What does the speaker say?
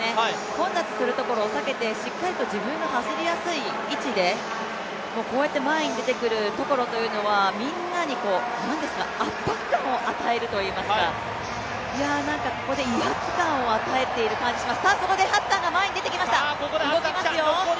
混雑するところを避けて、しっかりと自分の走りやすい位置でこうやって前に出てくるところというのは、みんなに圧迫感を与えるといいますか、ここで威圧感を与えている感じがします。